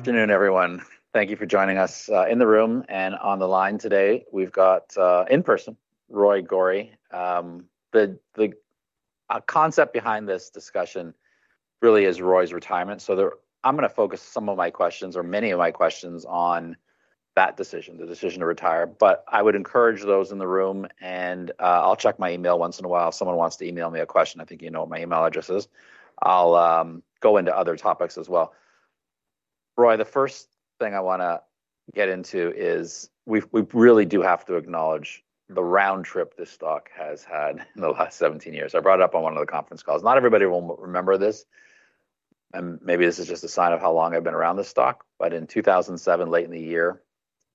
Afternoon, everyone. Thank you for joining us in the room and on the line today. We've got, in person, Roy Gori. The concept behind this discussion really is Roy's retirement, so I'm going to focus some of my questions, or many of my questions, on that decision, the decision to retire, but I would encourage those in the room, and I'll check my email once in a while. If someone wants to email me a question, I think you know what my email address is. I'll go into other topics as well. Roy, the first thing I want to get into is we really do have to acknowledge the round trip this stock has had in the last 17 years. I brought it up on one of the conference calls. Not everybody will remember this, and maybe this is just a sign of how long I've been around this stock. But in 2007, late in the year,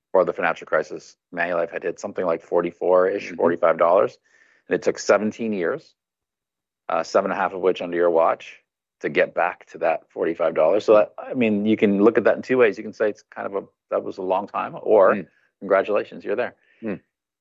before the financial crisis, Manulife had hit something like $44-ish, $45. And it took 17 years, seven and a half of which under your watch, to get back to that $45. So I mean, you can look at that in two ways. You can say it's kind of, that was a long time, or congratulations, you're there.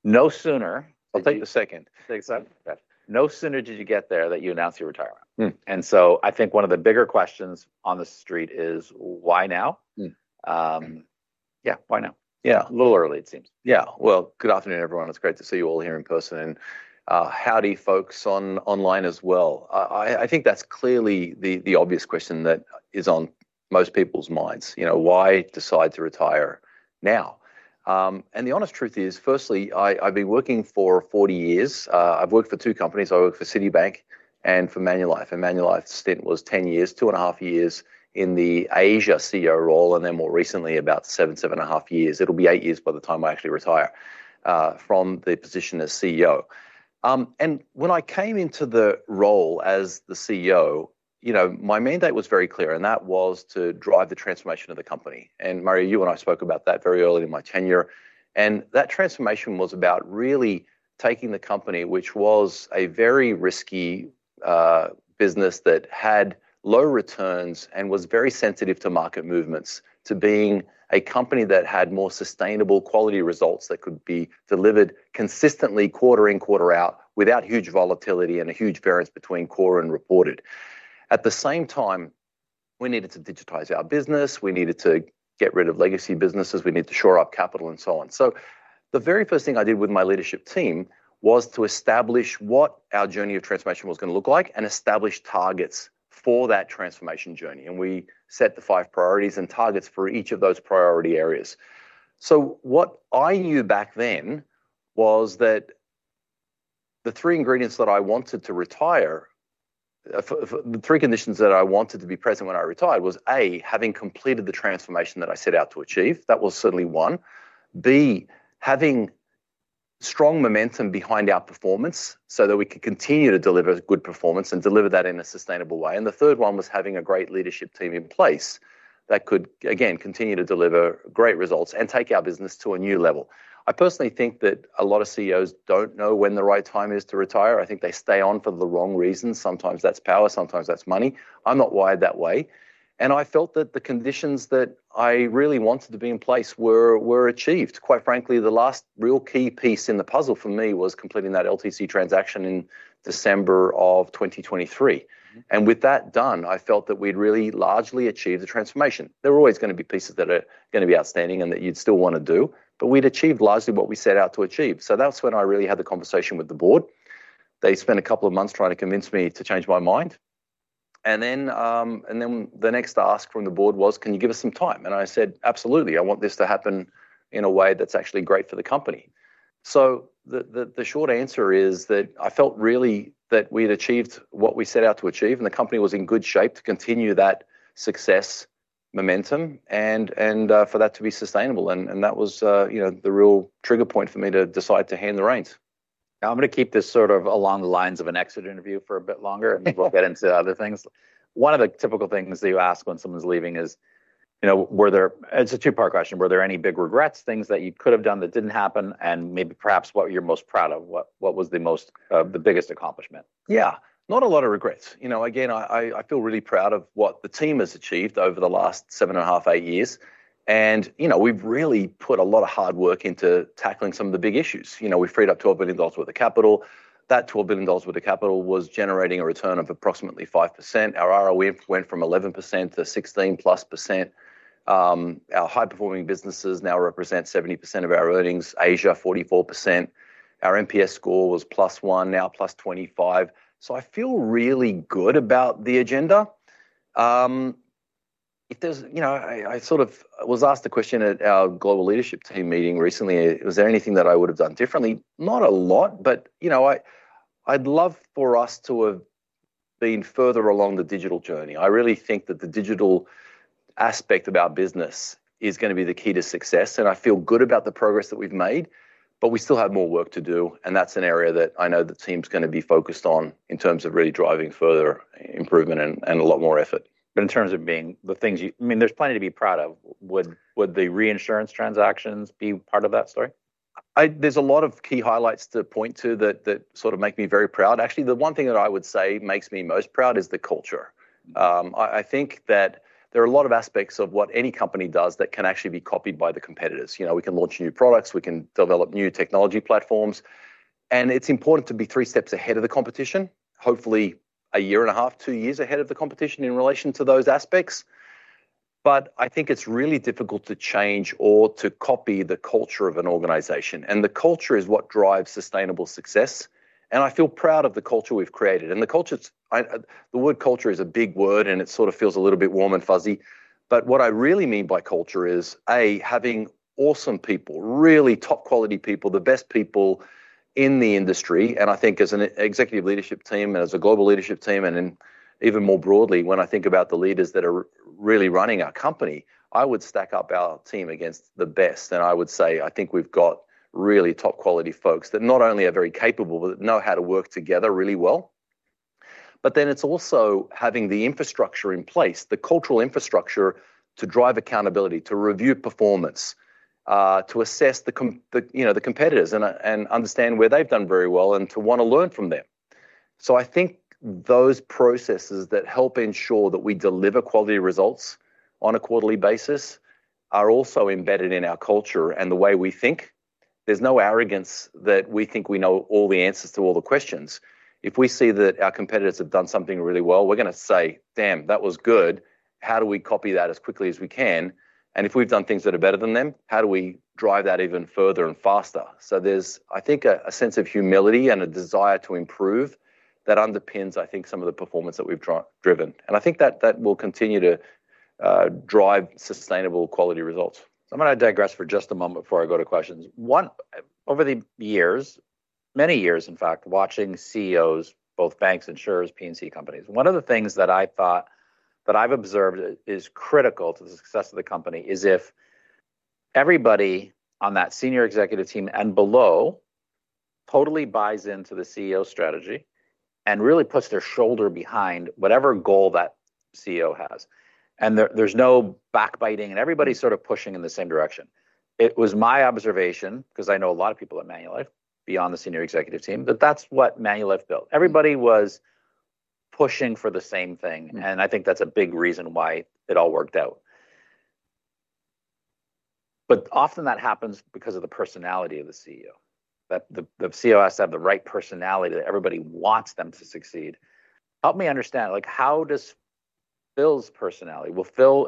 No, sooner I'll take the second. Take the second. No sooner did you get there than you announced your retirement. And so I think one of the bigger questions on the street is, why now? Yeah, why now? Yeah. A little early, it seems. Yeah. Well, good afternoon, everyone. It's great to see you all here in person, and howdy, folks, online as well. I think that's clearly the obvious question that is on most people's minds, why decide to retire now? And the honest truth is, firstly, I've been working for 40 years. I've worked for two companies. I worked for Citibank and for Manulife. And Manulife's stint was 10 years, two and a half years in the Asia CEO role, and then more recently, about seven, seven and a half years. It'll be eight years by the time I actually retire from the position as CEO. And when I came into the role as the CEO, my mandate was very clear, and that was to drive the transformation of the company. And Mario, you and I spoke about that very early in my tenure. That transformation was about really taking the company, which was a very risky business that had low returns and was very sensitive to market movements, to being a company that had more sustainable quality results that could be delivered consistently quarter in, quarter out, without huge volatility and a huge variance between core and reported. At the same time, we needed to digitize our business. We needed to get rid of legacy businesses. We needed to shore up capital and so on. So the very first thing I did with my leadership team was to establish what our journey of transformation was going to look like and establish targets for that transformation journey. And we set the five priorities and targets for each of those priority areas. What I knew back then was that the three ingredients that I wanted to retire, the three conditions that I wanted to be present when I retired, was A, having completed the transformation that I set out to achieve. That was certainly one. B, having strong momentum behind our performance so that we could continue to deliver good performance and deliver that in a sustainable way. And the third one was having a great leadership team in place that could, again, continue to deliver great results and take our business to a new level. I personally think that a lot of CEOs don't know when the right time is to retire. I think they stay on for the wrong reasons. Sometimes that's power. Sometimes that's money. I'm not wired that way. And I felt that the conditions that I really wanted to be in place were achieved. Quite frankly, the last real key piece in the puzzle for me was completing that LTC transaction in December of 2023, and with that done, I felt that we'd really largely achieved the transformation. There are always going to be pieces that are going to be outstanding and that you'd still want to do, but we'd achieved largely what we set out to achieve, so that's when I really had the conversation with the board. They spent a couple of months trying to convince me to change my mind, and then the next ask from the board was, can you give us some time? And I said, absolutely. I want this to happen in a way that's actually great for the company. So the short answer is that I felt really that we'd achieved what we set out to achieve, and the company was in good shape to continue that success momentum and for that to be sustainable. And that was the real trigger point for me to decide to hand the reins. I'm going to keep this sort of along the lines of an exit interview for a bit longer, and we'll get into other things. One of the typical things that you ask when someone's leaving is, it's a two-part question. Were there any big regrets, things that you could have done that didn't happen, and maybe perhaps what you're most proud of? What was the biggest accomplishment? Yeah, not a lot of regrets. Again, I feel really proud of what the team has achieved over the last seven and a half, eight years. And we've really put a lot of hard work into tackling some of the big issues. We freed up $12 billion worth of capital. That $12 billion worth of capital was generating a return of approximately 5%. Our ROE went from 11% to 16-plus%. Our high-performing businesses now represent 70% of our earnings. Asia, 44%. Our NPS score was +1, now +25. So I feel really good about the agenda. I sort of was asked a question at our global leadership team meeting recently. Was there anything that I would have done differently? Not a lot, but I'd love for us to have been further along the digital journey. I really think that the digital aspect of our business is going to be the key to success. And I feel good about the progress that we've made, but we still have more work to do. And that's an area that I know the team's going to be focused on in terms of really driving further improvement and a lot more effort. But in terms of, I mean, there's plenty to be proud of. Would the reinsurance transactions be part of that story? There's a lot of key highlights to point to that sort of make me very proud. Actually, the one thing that I would say makes me most proud is the culture. I think that there are a lot of aspects of what any company does that can actually be copied by the competitors. We can launch new products. We can develop new technology platforms. And it's important to be three steps ahead of the competition, hopefully a year and a half, two years ahead of the competition in relation to those aspects. But I think it's really difficult to change or to copy the culture of an organization. And the culture is what drives sustainable success. And I feel proud of the culture we've created. And the culture, the word culture is a big word, and it sort of feels a little bit warm and fuzzy. But what I really mean by culture is, A, having awesome people, really top-quality people, the best people in the industry. And I think as an executive leadership team and as a global leadership team and even more broadly, when I think about the leaders that are really running our company, I would stack up our team against the best. And I would say, I think we've got really top-quality folks that not only are very capable, but know how to work together really well. But then it's also having the infrastructure in place, the cultural infrastructure to drive accountability, to review performance, to assess the competitors and understand where they've done very well, and to want to learn from them. So I think those processes that help ensure that we deliver quality results on a quarterly basis are also embedded in our culture and the way we think. There's no arrogance that we think we know all the answers to all the questions. If we see that our competitors have done something really well, we're going to say, damn, that was good. How do we copy that as quickly as we can, and if we've done things that are better than them, how do we drive that even further and faster, so there's, I think, a sense of humility and a desire to improve that underpins, I think, some of the performance that we've driven, and I think that will continue to drive sustainable quality results. I'm going to digress for just a moment before I go to questions. Over the years, many years, in fact, watching CEOs, both banks, insurers, P&C companies, one of the things that I thought that I've observed is critical to the success of the company is if everybody on that senior executive team and below totally buys into the CEO strategy and really puts their shoulder behind whatever goal that CEO has, and there's no backbiting, and everybody's sort of pushing in the same direction. It was my observation, because I know a lot of people at Manulife beyond the senior executive team, that that's what Manulife built. Everybody was pushing for the same thing, and I think that's a big reason why it all worked out, but often that happens because of the personality of the CEO. The CEO has to have the right personality that everybody wants them to succeed. Help me understand, how does Phil's personality? Will Phil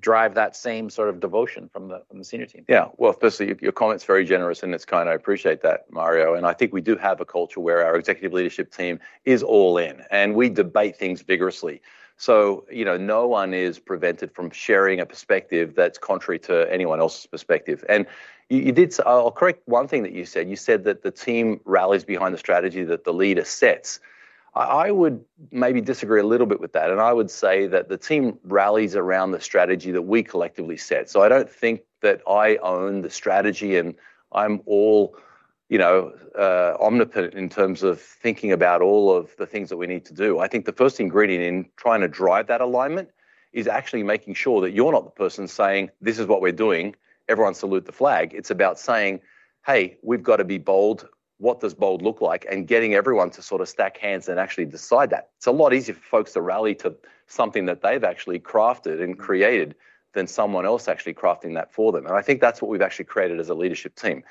drive that same sort of devotion from the senior team? Yeah. Well, firstly, your comment's very generous, and it's kind of, I appreciate that, Mario. And I think we do have a culture where our executive leadership team is all in, and we debate things vigorously. So no one is prevented from sharing a perspective that's contrary to anyone else's perspective. And I'll correct one thing that you said. You said that the team rallies behind the strategy that the leader sets. I would maybe disagree a little bit with that. And I would say that the team rallies around the strategy that we collectively set. So I don't think that I own the strategy, and I'm all omnipotent in terms of thinking about all of the things that we need to do. I think the first ingredient in trying to drive that alignment is actually making sure that you're not the person saying, "this is what we're doing. Everyone salute the flag. It's about saying, hey, we've got to be bold. What does bold look like, and getting everyone to sort of stack hands and actually decide that. It's a lot easier for folks to rally to something that they've actually crafted and created than someone else actually crafting that for them, and I think that's what we've actually created as a leadership team.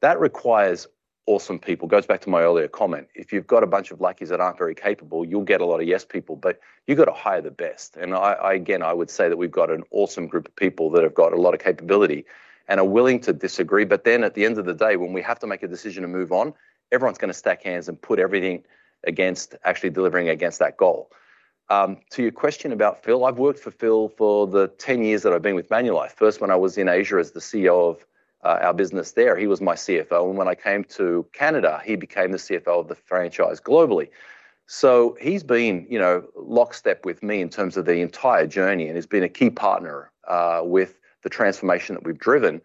That requires awesome people. Goes back to my earlier comment. If you've got a bunch of lackeys that aren't very capable, you'll get a lot of yes people, but you've got to hire the best, and again, I would say that we've got an awesome group of people that have got a lot of capability and are willing to disagree. But then at the end of the day, when we have to make a decision to move on, everyone's going to stack hands and put everything against actually delivering against that goal. To your question about Phil, I've worked for Phil for the 10 years that I've been with Manulife. First, when I was in Asia as the CEO of our business there, he was my CFO. And when I came to Canada, he became the CFO of the franchise globally. So he's been lockstep with me in terms of the entire journey and has been a key partner with the transformation that we've driven.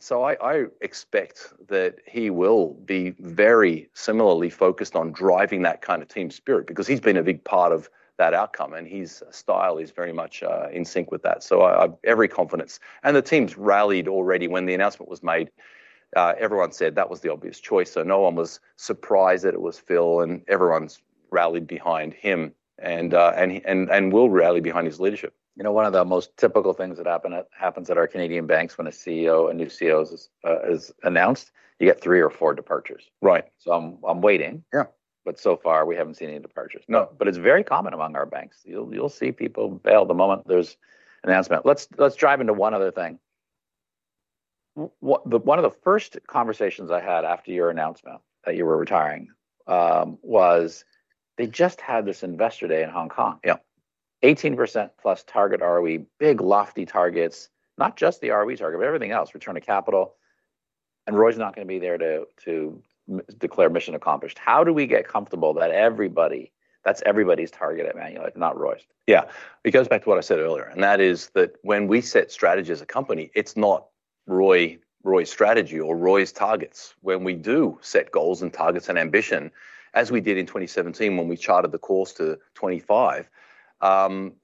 So I expect that he will be very similarly focused on driving that kind of team spirit because he's been a big part of that outcome, and his style is very much in sync with that. So I have every confidence. The team's rallied already. When the announcement was made, everyone said that was the obvious choice. No one was surprised that it was Phil, and everyone's rallied behind him and will rally behind his leadership. You know, one of the most typical things that happens at our Canadian banks when a CEO, a new CEO, is announced, you get three or four departures. Right. So I'm waiting. Yeah. But so far, we haven't seen any departures. No. But it's very common among our banks. You'll see people bail the moment there's an announcement. Let's dive into one other thing. One of the first conversations I had after your announcement that you were retiring was they just had this Investor Day in Hong Kong. Yeah. 18% plus target ROE, big lofty targets, not just the ROE target, but everything else, return to capital, and Roy's not going to be there to declare mission accomplished. How do we get comfortable that everybody, that's everybody's target at Manulife, not Roy's? Yeah. It goes back to what I said earlier. And that is that when we set strategy as a company, it's not Roy's strategy or Roy's targets. When we do set goals and targets and ambition, as we did in 2017 when we charted the course to 25,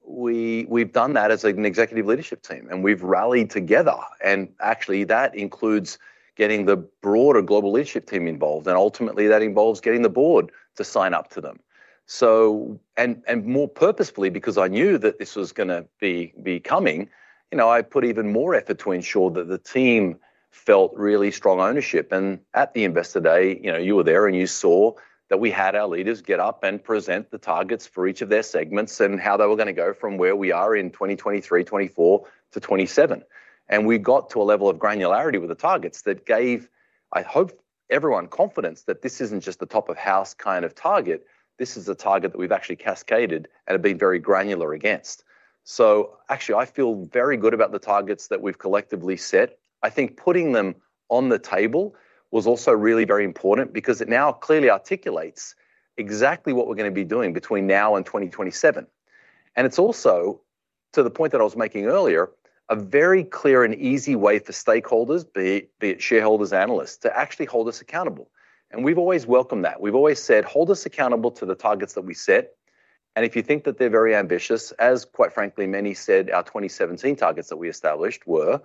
we've done that as an executive leadership team. And we've rallied together. And actually, that includes getting the broader global leadership team involved. And ultimately, that involves getting the board to sign up to them. And more purposefully, because I knew that this was going to be coming, I put even more effort to ensure that the team felt really strong ownership. At the Investor Day, you were there, and you saw that we had our leaders get up and present the targets for each of their segments and how they were going to go from where we are in 2023, 2024 to 2027. We got to a level of granularity with the targets that gave, I hope, everyone confidence that this isn't just the top-of-house kind of target. This is a target that we've actually cascaded and have been very granular against. Actually, I feel very good about the targets that we've collectively set. I think putting them on the table was also really very important because it now clearly articulates exactly what we're going to be doing between now and 2027. And it's also, to the point that I was making earlier, a very clear and easy way for stakeholders, be it shareholders, analysts, to actually hold us accountable. And we've always welcomed that. We've always said, hold us accountable to the targets that we set. And if you think that they're very ambitious, as quite frankly, many said our 2017 targets that we established were,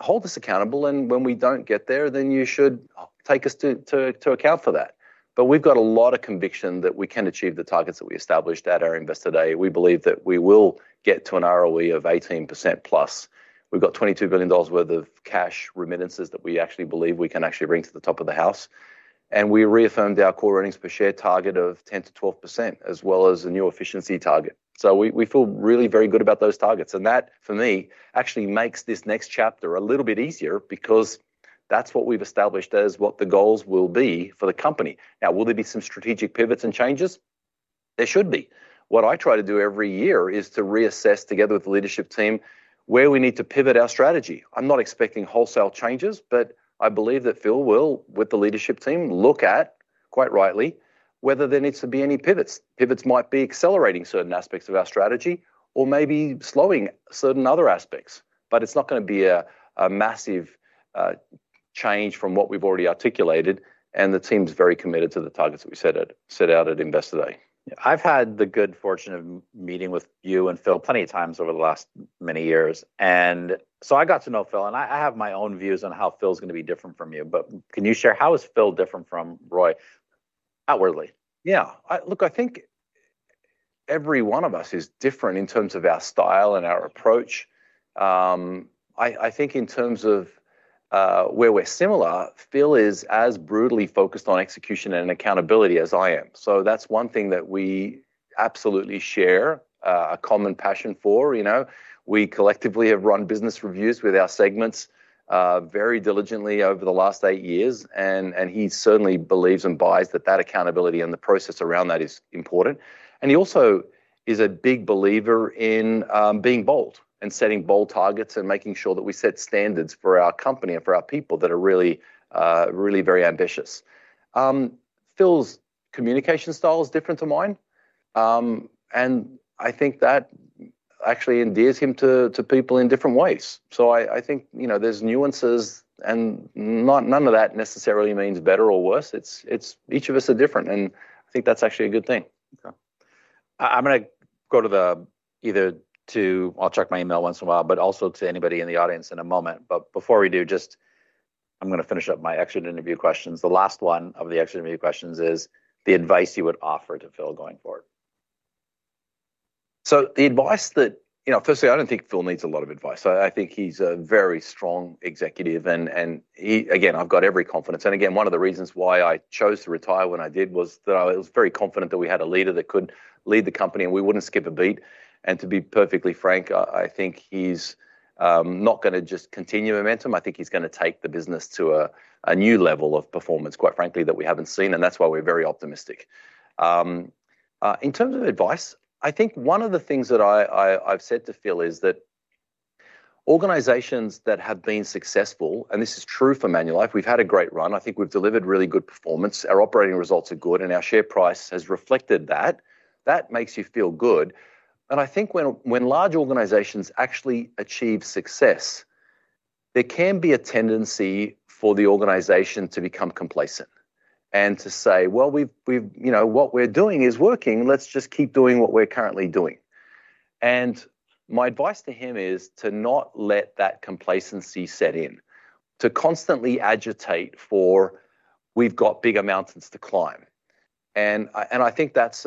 hold us accountable. And when we don't get there, then you should take us to account for that. But we've got a lot of conviction that we can achieve the targets that we established at our Investor Day. We believe that we will get to an ROE of 18% plus. We've got $22 billion worth of cash remittances that we actually believe we can actually bring to the top of the house. We reaffirmed our Core Earnings Per Share target of 10%-12%, as well as a new efficiency target. We feel really very good about those targets. That, for me, actually makes this next chapter a little bit easier because that's what we've established as what the goals will be for the company. Now, will there be some strategic pivots and changes? There should be. What I try to do every year is to reassess together with the leadership team where we need to pivot our strategy. I'm not expecting wholesale changes, but I believe that Phil will, with the leadership team, look at, quite rightly, whether there needs to be any pivots. Pivots might be accelerating certain aspects of our strategy or maybe slowing certain other aspects. It's not going to be a massive change from what we've already articulated. The team's very committed to the targets that we set out at Investor Day. I've had the good fortune of meeting with you and Phil plenty of times over the last many years. And so I got to know Phil, and I have my own views on how Phil's going to be different from you. But can you share how is Phil different from Roy outwardly? Yeah. Look, I think every one of us is different in terms of our style and our approach. I think in terms of where we're similar, Phil is as brutally focused on execution and accountability as I am. So that's one thing that we absolutely share a common passion for. We collectively have run business reviews with our segments very diligently over the last eight years. And he certainly believes and buys that that accountability and the process around that is important. And he also is a big believer in being bold and setting bold targets and making sure that we set standards for our company and for our people that are really, really very ambitious. Phil's communication style is different to mine. And I think that actually endears him to people in different ways. So I think there's nuances, and none of that necessarily means better or worse. Each of us are different, and I think that's actually a good thing. I'm going to go to the Q&A too. I'll check my email once in a while, but also to anybody in the audience in a moment. But before we do, just I'm going to finish up my exit interview questions. The last one of the exit interview questions is the advice you would offer to Phil going forward. So, the advice that, firstly, I don't think Phil needs a lot of advice. I think he's a very strong executive. And again, I've got every confidence. And again, one of the reasons why I chose to retire when I did was that I was very confident that we had a leader that could lead the company, and we wouldn't skip a beat. And to be perfectly frank, I think he's not going to just continue momentum. I think he's going to take the business to a new level of performance, quite frankly, that we haven't seen. And that's why we're very optimistic. In terms of advice, I think one of the things that I've said to Phil is that organizations that have been successful, and this is true for Manulife. We've had a great run. I think we've delivered really good performance. Our operating results are good, and our share price has reflected that. That makes you feel good. And I think when large organizations actually achieve success, there can be a tendency for the organization to become complacent and to say, well, what we're doing is working. Let's just keep doing what we're currently doing. And my advice to him is to not let that complacency set in, to constantly agitate for we've got bigger mountains to climb. And I think that's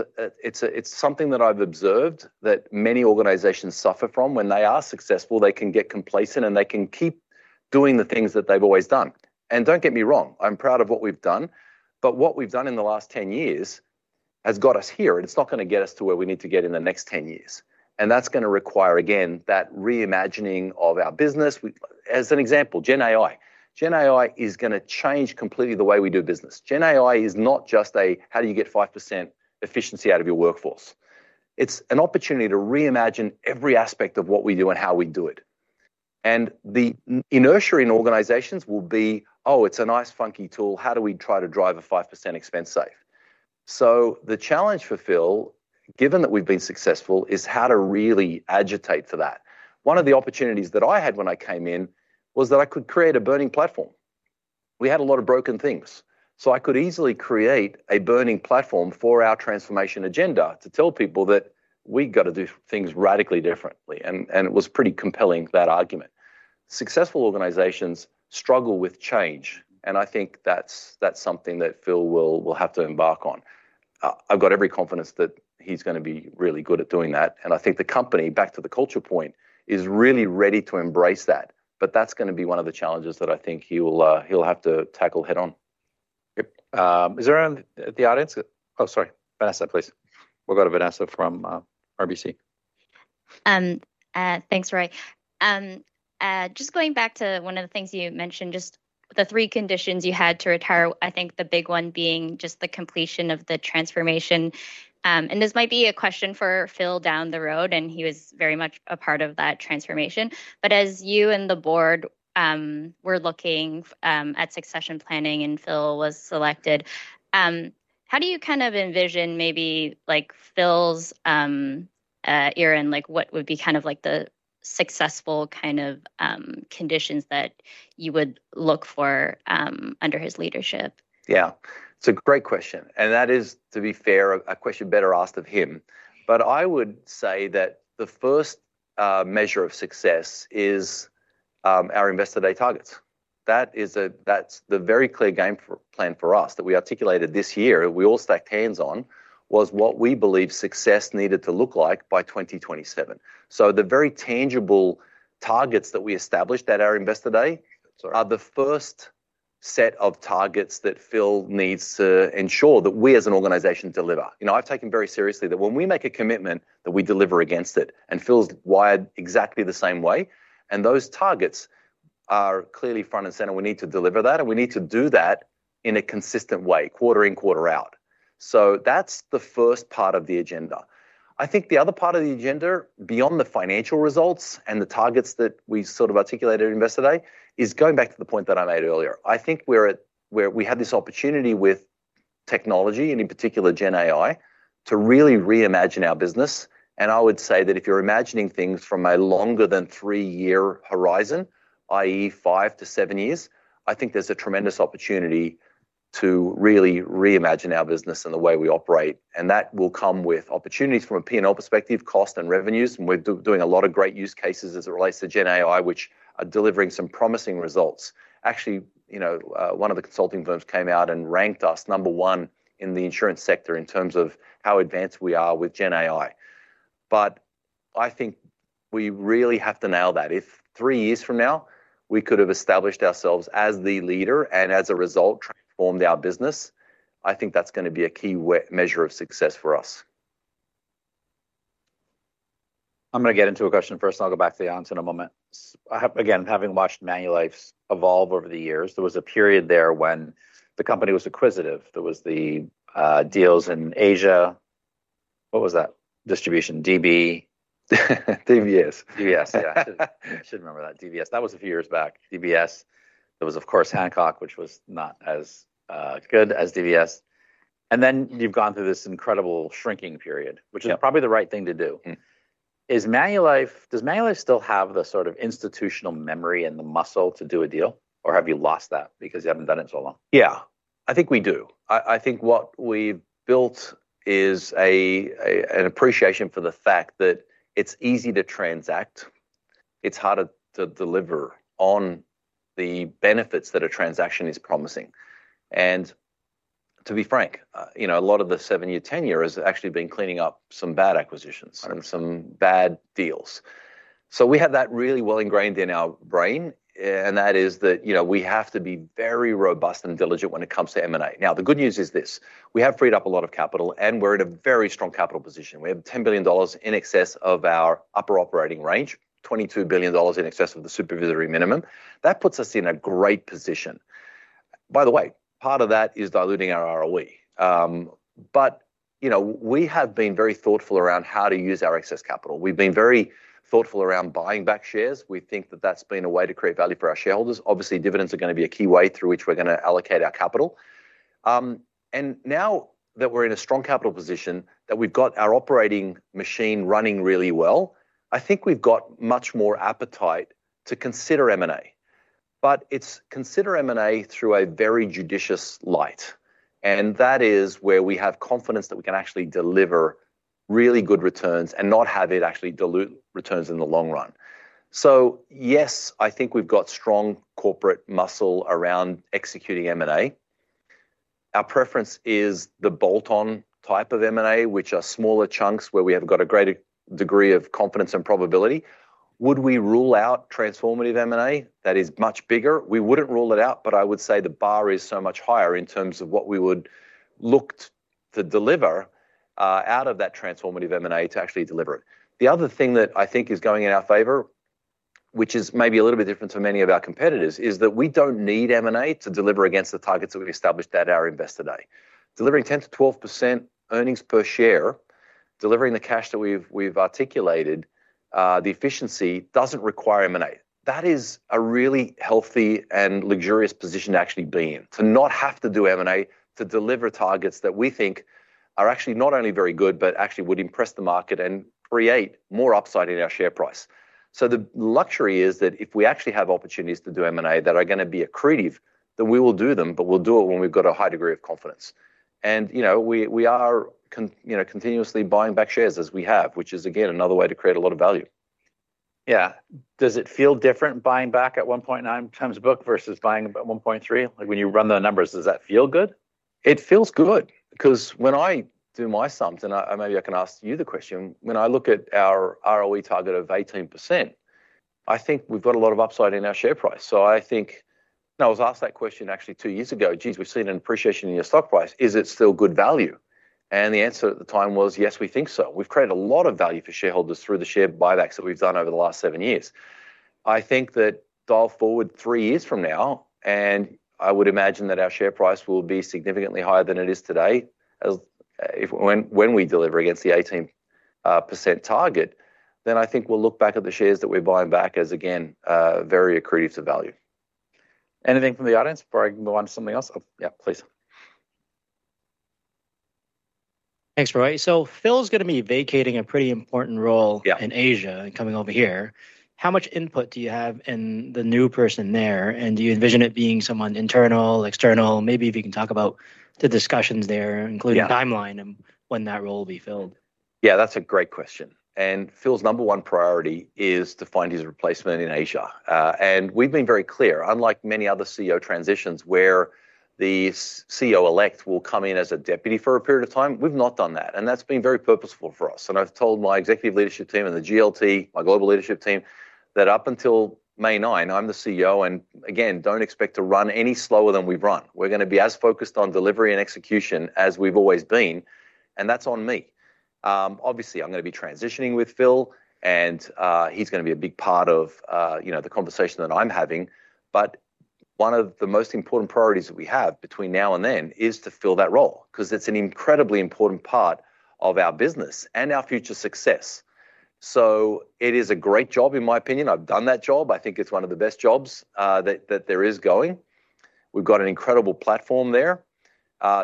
something that I've observed that many organizations suffer from. When they are successful, they can get complacent, and they can keep doing the things that they've always done. And don't get me wrong. I'm proud of what we've done. But what we've done in the last 10 years has got us here. It's not going to get us to where we need to get in the next 10 years. That's going to require, again, that reimagining of our business. As an example, GenAI. GenAI is going to change completely the way we do business. GenAI is not just a how do you get 5% efficiency out of your workforce. It's an opportunity to reimagine every aspect of what we do and how we do it. The inertia in organizations will be, oh, it's a nice funky tool. How do we try to drive a 5% expense save? So the challenge for Phil, given that we've been successful, is how to really agitate for that. One of the opportunities that I had when I came in was that I could create a burning platform. We had a lot of broken things. So I could easily create a burning platform for our transformation agenda to tell people that we've got to do things radically differently, and it was pretty compelling, that argument. Successful organizations struggle with change, and I think that's something that Phil will have to embark on. I've got every confidence that he's going to be really good at doing that, and I think the company, back to the culture point, is really ready to embrace that, but that's going to be one of the challenges that I think he'll have to tackle head on. Is there anyone in the audience? Oh, sorry. Vanessa, please. We've got a Vanessa from RBC. Thanks, Roy. Just going back to one of the things you mentioned, just the three conditions you had to retire, I think the big one being just the completion of the transformation. And this might be a question for Phil down the road, and he was very much a part of that transformation. But as you and the board were looking at succession planning and Phil was selected, how do you kind of envision maybe Phil's era and what would be kind of like the successful kind of conditions that you would look for under his leadership? Yeah. It's a great question, and that is, to be fair, a question better asked of him, but I would say that the first measure of success is our Investor Day targets. That's the very clear game plan for us that we articulated this year, we all stacked hands on, was what we believe success needed to look like by 2027, so the very tangible targets that we established at our Investor Day are the first set of targets that Phil needs to ensure that we as an organization deliver. I've taken very seriously that when we make a commitment, that we deliver against it, and Phil's wired exactly the same way, and those targets are clearly front and center. We need to deliver that, and we need to do that in a consistent way, quarter in, quarter out, so that's the first part of the agenda. I think the other part of the agenda, beyond the financial results and the targets that we sort of articulated at Investor Day, is going back to the point that I made earlier. I think we had this opportunity with technology, and in particular, GenAI, to really reimagine our business. And I would say that if you're imagining things from a longer than three-year horizon, i.e., five to seven years, I think there's a tremendous opportunity to really reimagine our business and the way we operate. And that will come with opportunities from a P&L perspective, cost, and revenues. And we're doing a lot of great use cases as it relates to GenAI, which are delivering some promising results. Actually, one of the consulting firms came out and ranked us number one in the insurance sector in terms of how advanced we are with GenAI. But I think we really have to nail that. If three years from now, we could have established ourselves as the leader and as a result transformed our business, I think that's going to be a key measure of success for us. I'm going to get into a question first, and I'll go back to the answer in a moment. Again, having watched Manulife's evolution over the years, there was a period there when the company was acquisitive. There were the deals in Asia. What was that? Distribution, DBS. DBS, yeah. I should remember that. DBS. That was a few years back. DBS. There was, of course, Hancock, which was not as good as DBS. And then you've gone through this incredible shrinking period, which is probably the right thing to do. Does Manulife still have the sort of institutional memory and the muscle to do a deal? Or have you lost that because you haven't done it so long? Yeah. I think we do. I think what we've built is an appreciation for the fact that it's easy to transact. It's harder to deliver on the benefits that a transaction is promising. And to be frank, a lot of the seven-year, 10-year has actually been cleaning up some bad acquisitions and some bad deals. So we have that really well ingrained in our brain. And that is that we have to be very robust and diligent when it comes to M&A. Now, the good news is this. We have freed up a lot of capital, and we're in a very strong capital position. We have $10 billion in excess of our upper operating range, $22 billion in excess of the supervisory minimum. That puts us in a great position. By the way, part of that is diluting our ROE. But we have been very thoughtful around how to use our excess capital. We've been very thoughtful around buying back shares. We think that that's been a way to create value for our shareholders. Obviously, dividends are going to be a key way through which we're going to allocate our capital. And now that we're in a strong capital position, that we've got our operating machine running really well, I think we've got much more appetite to consider M&A. But it's to consider M&A through a very judicious light. And that is where we have confidence that we can actually deliver really good returns and not have it actually dilute returns in the long run. So yes, I think we've got strong corporate muscle around executing M&A. Our preference is the bolt-on type of M&A, which are smaller chunks where we have got a greater degree of confidence and probability. Would we rule out transformative M&A that is much bigger? We wouldn't rule it out, but I would say the bar is so much higher in terms of what we would look to deliver out of that transformative M&A to actually deliver it. The other thing that I think is going in our favor, which is maybe a little bit different from many of our competitors, is that we don't need M&A to deliver against the targets that we established at our Investor Day. Delivering 10%-12% earnings per share, delivering the cash that we've articulated, the efficiency doesn't require M&A. That is a really healthy and luxurious position to actually be in, to not have to do M&A to deliver targets that we think are actually not only very good, but actually would impress the market and create more upside in our share price. So the luxury is that if we actually have opportunities to do M&A that are going to be accretive, then we will do them, but we'll do it when we've got a high degree of confidence. And we are continuously buying back shares as we have, which is, again, another way to create a lot of value. Yeah. Does it feel different buying back at 1.9 times book versus buying at 1.3? When you run the numbers, does that feel good? It feels good because when I do my sums, and maybe I can ask you the question, when I look at our ROE target of 18%, I think we've got a lot of upside in our share price. So I think when I was asked that question actually two years ago, geez, we've seen an appreciation in your stock price. Is it still good value, and the answer at the time was, yes, we think so. We've created a lot of value for shareholders through the share buybacks that we've done over the last seven years. I think that dial forward three years from now, and I would imagine that our share price will be significantly higher than it is today when we deliver against the 18% target, then I think we'll look back at the shares that we're buying back as, again, very accretive to value. Anything from the audience before I move on to something else? Yeah, please. Thanks, Roy. So Phil's going to be vacating a pretty important role in Asia and coming over here. How much input do you have in the new person there? And do you envision it being someone internal, external? Maybe if you can talk about the discussions there, including timeline and when that role will be filled? Yeah, that's a great question. And Phil's number one priority is to find his replacement in Asia. And we've been very clear, unlike many other CEO transitions where the CEO elect will come in as a deputy for a period of time, we've not done that. And that's been very purposeful for us. And I've told my executive leadership team and the GLT, my global leadership team, that up until May 9, I'm the CEO. And again, don't expect to run any slower than we've run. We're going to be as focused on delivery and execution as we've always been. And that's on me. Obviously, I'm going to be transitioning with Phil. And he's going to be a big part of the conversation that I'm having. But one of the most important priorities that we have between now and then is to fill that role because it's an incredibly important part of our business and our future success. So it is a great job, in my opinion. I've done that job. I think it's one of the best jobs that there is going. We've got an incredible platform there.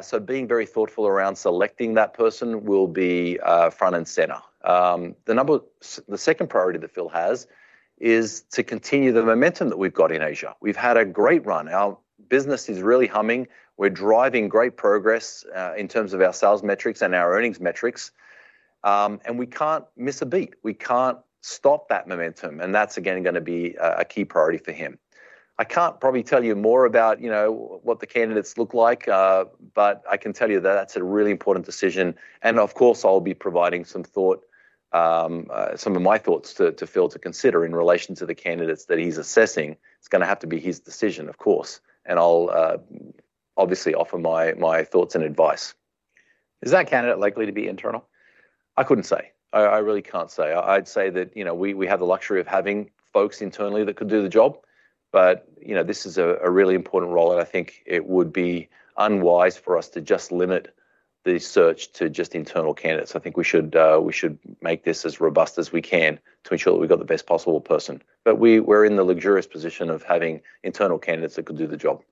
So being very thoughtful around selecting that person will be front and center. The second priority that Phil has is to continue the momentum that we've got in Asia. We've had a great run. Our business is really humming. We're driving great progress in terms of our sales metrics and our earnings metrics. And we can't miss a beat. We can't stop that momentum. And that's, again, going to be a key priority for him. I can't probably tell you more about what the candidates look like. But I can tell you that that's a really important decision. And of course, I'll be providing some thought, some of my thoughts to Phil to consider in relation to the candidates that he's assessing. It's going to have to be his decision, of course. And I'll obviously offer my thoughts and advice. Is that candidate likely to be internal? I couldn't say. I really can't say. I'd say that we have the luxury of having folks internally that could do the job. But this is a really important role. And I think it would be unwise for us to just limit the search to just internal candidates. I think we should make this as robust as we can to ensure that we've got the best possible person. But we're in the luxurious position of having internal candidates that could do the job.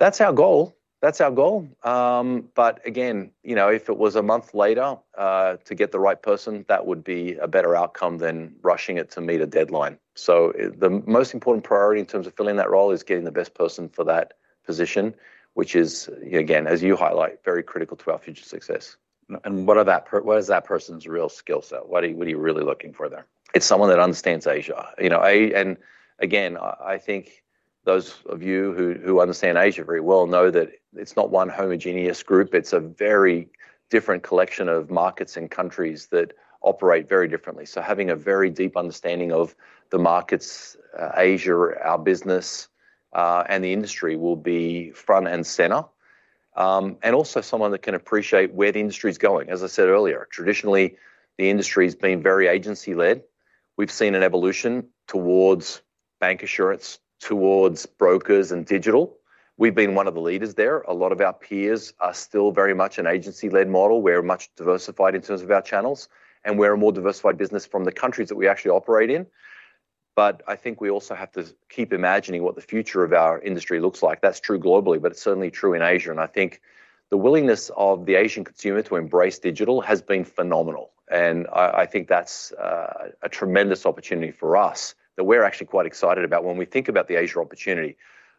That's our goal. That's our goal. But again, if it was a month later to get the right person, that would be a better outcome than rushing it to meet a deadline. So the most important priority in terms of filling that role is getting the best person for that position, which is, again, as you highlight, very critical to our future success. What is that person's real skill set? What are you really looking for there? It's someone that understands Asia, and again, I think those of you who understand Asia very well know that it's not one homogeneous group. It's a very different collection of markets and countries that operate very differently, so having a very deep understanding of the markets, Asia, our business, and the industry will be front and center, and also someone that can appreciate where the industry is going. As I said earlier, traditionally, the industry has been very agency-led. We've seen an evolution towards bancassurance, towards brokers, and digital. We've been one of the leaders there. A lot of our peers are still very much an agency-led model. We're much diversified in terms of our channels, and we're a more diversified business from the countries that we actually operate in, but I think we also have to keep imagining what the future of our industry looks like. That's true globally, but it's certainly true in Asia. And I think the willingness of the Asian consumer to embrace digital has been phenomenal. And I think that's a tremendous opportunity for us that we're actually quite excited about when we think about the Asia opportunity.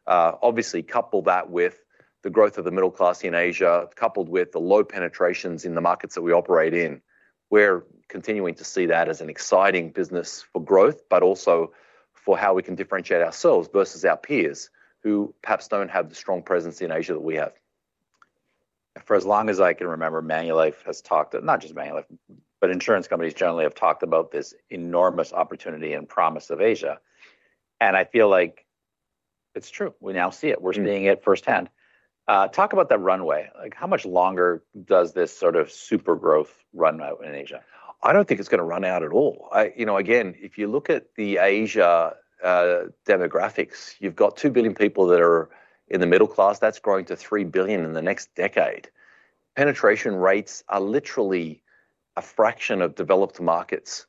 Obviously, couple that with the growth of the middle class in Asia, coupled with the low penetrations in the markets that we operate in. We're continuing to see that as an exciting business for growth, but also for how we can differentiate ourselves versus our peers who perhaps don't have the strong presence in Asia that we have. For as long as I can remember, Manulife has talked, not just Manulife, but insurance companies generally have talked about this enormous opportunity and promise of Asia. And I feel like it's true. We now see it. We're seeing it firsthand. Talk about that runway. How much longer does this sort of super growth run out in Asia? I don't think it's going to run out at all. Again, if you look at the Asia demographics, you've got 2 billion people that are in the middle class. That's growing to 3 billion in the next decade. Penetration rates are literally a fraction of developed markets.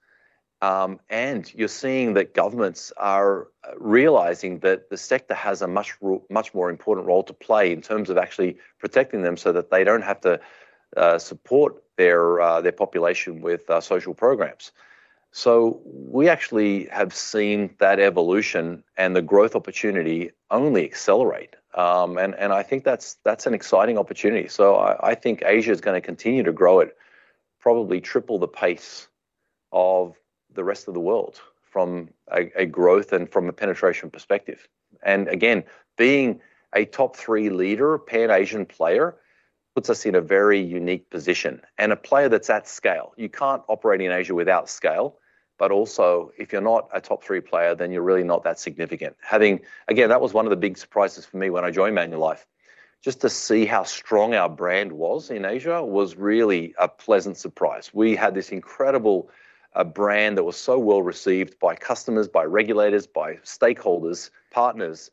And you're seeing that governments are realizing that the sector has a much more important role to play in terms of actually protecting them so that they don't have to support their population with social programs. So we actually have seen that evolution and the growth opportunity only accelerate. And I think that's an exciting opportunity. So I think Asia is going to continue to grow at probably triple the pace of the rest of the world from a growth and from a penetration perspective. And again, being a top three leader, pan-Asian player, puts us in a very unique position. A player that's at scale. You can't operate in Asia without scale. But also, if you're not a top three player, then you're really not that significant. Again, that was one of the big surprises for me when I joined Manulife. Just to see how strong our brand was in Asia was really a pleasant surprise. We had this incredible brand that was so well received by customers, by regulators, by stakeholders, partners.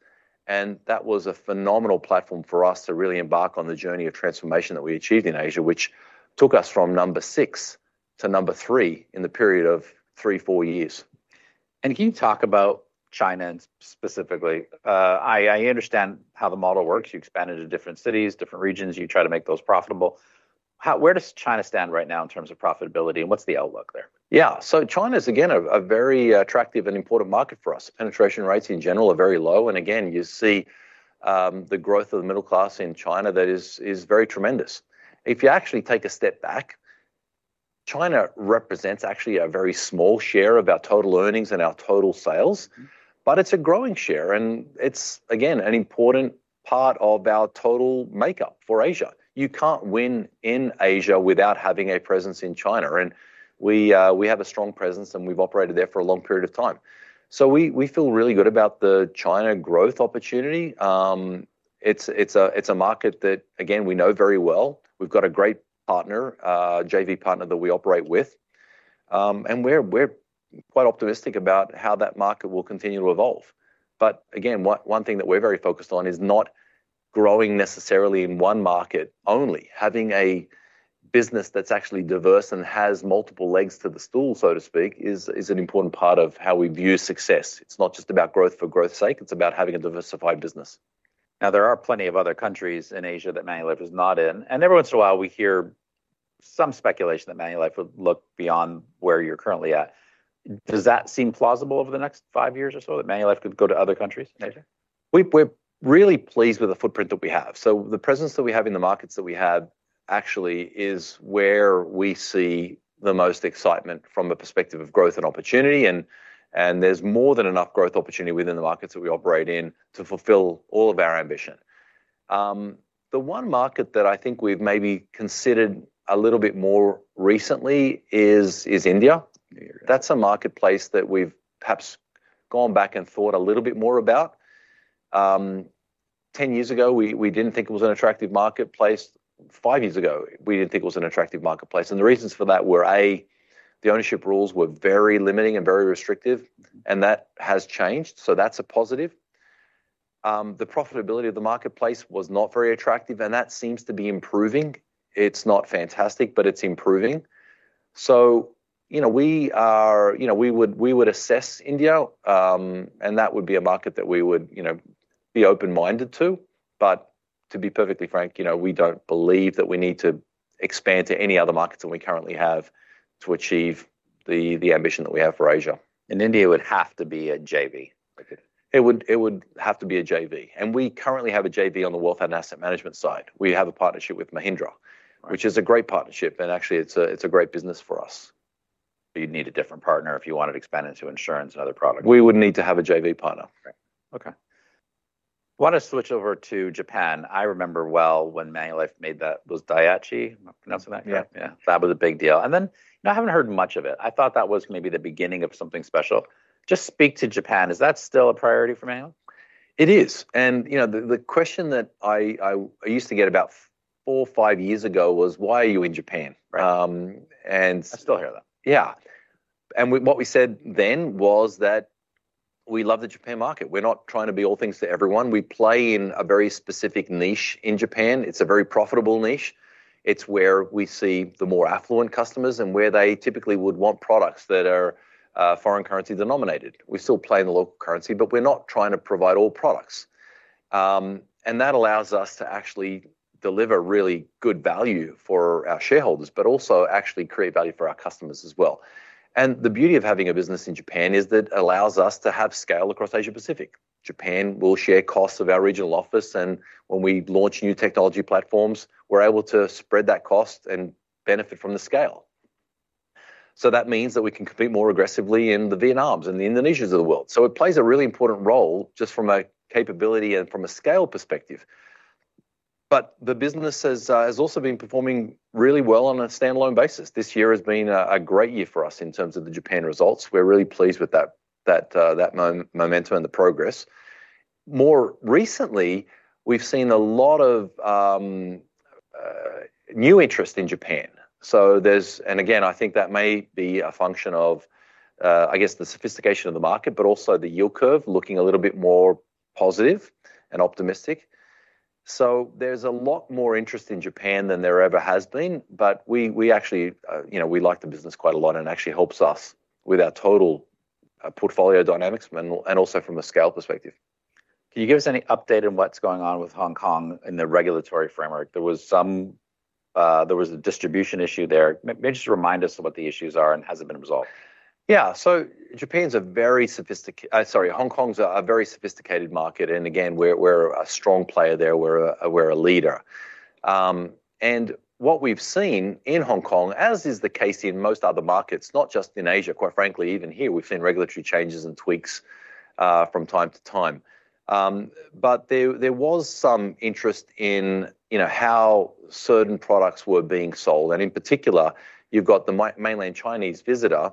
That was a phenomenal platform for us to really embark on the journey of transformation that we achieved in Asia, which took us from number six to number three in the period of three, four years. And can you talk about China specifically? I understand how the model works. You expand into different cities, different regions. You try to make those profitable. Where does China stand right now in terms of profitability? And what's the outlook there? Yeah, so China is, again, a very attractive and important market for us. Penetration rates in general are very low, and again, you see the growth of the middle class in China that is very tremendous. If you actually take a step back, China represents actually a very small share of our total earnings and our total sales, but it's a growing share, and it's, again, an important part of our total makeup for Asia. You can't win in Asia without having a presence in China, and we have a strong presence, and we've operated there for a long period of time, so we feel really good about the China growth opportunity. It's a market that, again, we know very well. We've got a great partner, JV partner that we operate with, and we're quite optimistic about how that market will continue to evolve. But again, one thing that we're very focused on is not growing necessarily in one market only. Having a business that's actually diverse and has multiple legs to the stool, so to speak, is an important part of how we view success. It's not just about growth for growth's sake. It's about having a diversified business. Now, there are plenty of other countries in Asia that Manulife is not in, and every once in a while, we hear some speculation that Manulife would look beyond where you're currently at. Does that seem plausible over the next five years or so that Manulife could go to other countries in Asia? We're really pleased with the footprint that we have. So the presence that we have in the markets that we have actually is where we see the most excitement from the perspective of growth and opportunity. And there's more than enough growth opportunity within the markets that we operate in to fulfill all of our ambition. The one market that I think we've maybe considered a little bit more recently is India. That's a marketplace that we've perhaps gone back and thought a little bit more about. Ten years ago, we didn't think it was an attractive marketplace. Five years ago, we didn't think it was an attractive marketplace. And the reasons for that were, A, the ownership rules were very limiting and very restrictive. And that has changed. So that's a positive. The profitability of the marketplace was not very attractive. And that seems to be improving. It's not fantastic, but it's improving. So we would assess India. And that would be a market that we would be open-minded to. But to be perfectly frank, we don't believe that we need to expand to any other markets than we currently have to achieve the ambition that we have for Asia. India would have to be a JV. It would have to be a JV. And we currently have a JV on the wealth and asset management side. We have a partnership with Mahindra, which is a great partnership. And actually, it's a great business for us. You'd need a different partner if you wanted to expand into insurance and other products. We would need to have a JV partner. Okay. I want to switch over to Japan. I remember well when Manulife made that, was Daihachi? Am I pronouncing that correctly? Yeah. Yeah. That was a big deal. And then I haven't heard much of it. I thought that was maybe the beginning of something special. Just speak to Japan. Is that still a priority for Manulife? It is. And the question that I used to get about four, five years ago was, why are you in Japan? I still hear that. Yeah. And what we said then was that we love the Japan market. We're not trying to be all things to everyone. We play in a very specific niche in Japan. It's a very profitable niche. It's where we see the more affluent customers and where they typically would want products that are foreign currency-denominated. We still play in the local currency, but we're not trying to provide all products. And that allows us to actually deliver really good value for our shareholders, but also actually create value for our customers as well. And the beauty of having a business in Japan is that it allows us to have scale across Asia-Pacific. Japan will share costs of our regional office. And when we launch new technology platforms, we're able to spread that cost and benefit from the scale. So that means that we can compete more aggressively in the Vietnams and the Indonesias of the world. So it plays a really important role just from a capability and from a scale perspective. But the business has also been performing really well on a standalone basis. This year has been a great year for us in terms of the Japan results. We're really pleased with that momentum and the progress. More recently, we've seen a lot of new interest in Japan. And again, I think that may be a function of, I guess, the sophistication of the market, but also the yield curve looking a little bit more positive and optimistic. So there's a lot more interest in Japan than there ever has been. But we actually like the business quite a lot and it actually helps us with our total portfolio dynamics and also from a scale perspective. Can you give us any update on what's going on with Hong Kong in the regulatory framework? There was a distribution issue there. Maybe just remind us of what the issues are and how they've been resolved. Yeah. So Japan's a very sophisticated, sorry, Hong Kong's a very sophisticated market. And again, we're a strong player there. We're a leader. And what we've seen in Hong Kong, as is the case in most other markets, not just in Asia, quite frankly, even here, we've seen regulatory changes and tweaks from time to time. But there was some interest in how certain products were being sold. And in particular, you've got the Mainland Chinese visitor.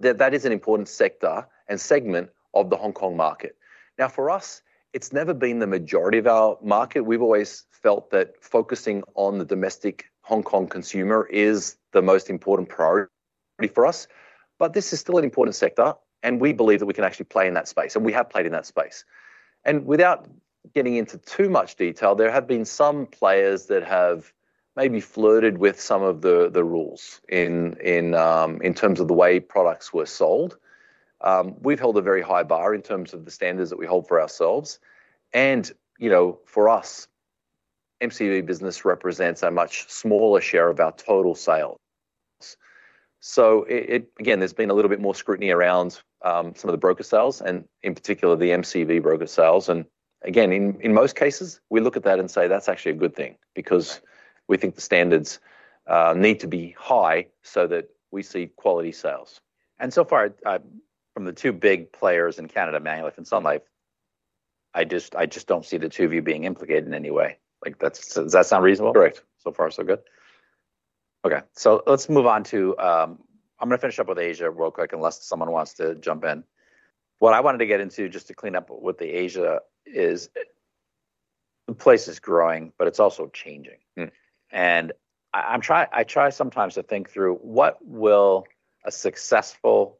That is an important sector and segment of the Hong Kong market. Now, for us, it's never been the majority of our market. We've always felt that focusing on the domestic Hong Kong consumer is the most important priority for us. But this is still an important sector. And we believe that we can actually play in that space. And we have played in that space. Without getting into too much detail, there have been some players that have maybe flirted with some of the rules in terms of the way products were sold. We've held a very high bar in terms of the standards that we hold for ourselves. For us, MCV business represents a much smaller share of our total sales. So again, there's been a little bit more scrutiny around some of the broker sales, and in particular, the MCV broker sales. Again, in most cases, we look at that and say, that's actually a good thing because we think the standards need to be high so that we see quality sales. And so far, from the two big players in Canada, Manulife and Sun Life, I just don't see the two of you being implicated in any way. Does that sound reasonable? Correct. So far, so good. Okay, so let's move on to. I'm going to finish up with Asia real quick unless someone wants to jump in. What I wanted to get into just to clean up what Asia is. The place is growing, but it's also changing, and I try sometimes to think through what will a successful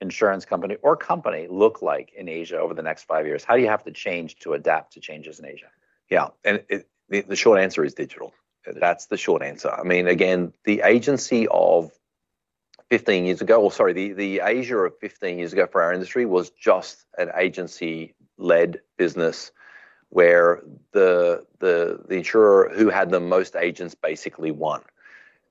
insurance company or company look like in Asia over the next five years? How do you have to change to adapt to changes in Asia? Yeah. And the short answer is digital. That's the short answer. I mean, again, the agency of 15 years ago, or sorry, the Asia of 15 years ago for our industry was just an agency-led business where the insurer who had the most agents basically won.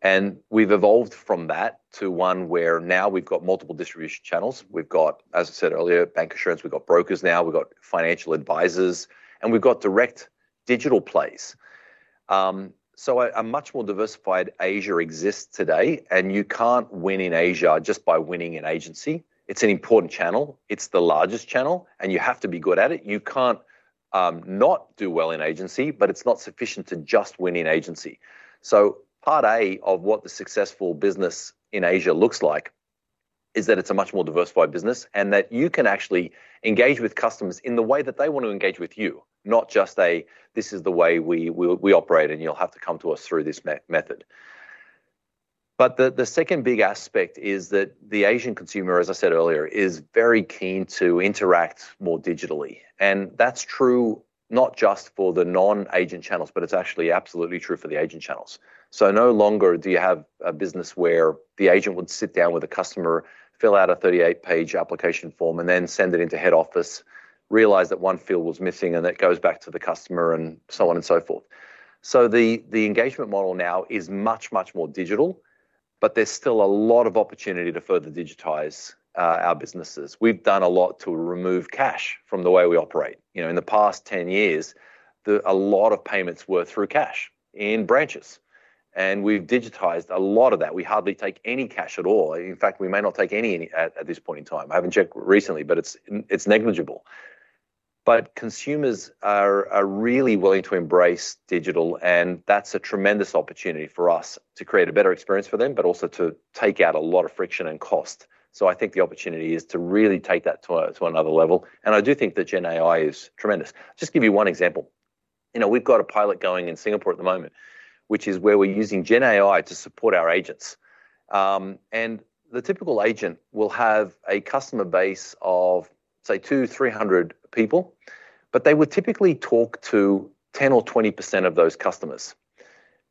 And we've evolved from that to one where now we've got multiple distribution channels. We've got, as I said earlier, bancassurance. We've got brokers now. We've got financial advisors. And we've got direct digital plays. So a much more diversified Asia exists today. And you can't win in Asia just by winning in agency. It's an important channel. It's the largest channel. And you have to be good at it. You can't not do well in agency, but it's not sufficient to just win in agency. So part A of what the successful business in Asia looks like is that it's a much more diversified business and that you can actually engage with customers in the way that they want to engage with you, not just a, this is the way we operate and you'll have to come to us through this method. But the second big aspect is that the Asian consumer, as I said earlier, is very keen to interact more digitally. And that's true not just for the non-agent channels, but it's actually absolutely true for the agent channels. So no longer do you have a business where the agent would sit down with a customer, fill out a 38-page application form, and then send it into head office, realize that one field was missing, and that goes back to the customer and so on and so forth. So the engagement model now is much, much more digital, but there's still a lot of opportunity to further digitize our businesses. We've done a lot to remove cash from the way we operate. In the past 10 years, a lot of payments were through cash in branches. And we've digitized a lot of that. We hardly take any cash at all. In fact, we may not take any at this point in time. I haven't checked recently, but it's negligible. But consumers are really willing to embrace digital. And that's a tremendous opportunity for us to create a better experience for them, but also to take out a lot of friction and cost. So I think the opportunity is to really take that to another level. And I do think that GenAI is tremendous. I'll just give you one example. We've got a pilot going in Singapore at the moment, which is where we're using GenAI to support our agents. And the typical agent will have a customer base of, say, 200, 300 people, but they would typically talk to 10% or 20% of those customers.